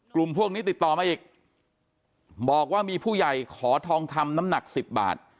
กลุ่มพวกนี้ติดต่อมาอีกบอกว่ามีผู้ใหญ่ขอทองคำน้ำหนัก๑๐บาท